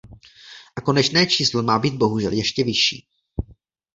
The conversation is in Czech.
A konečné číslo má být bohužel ještě vyšší.